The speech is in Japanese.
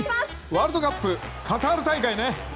ワールドカップカタール大会ね。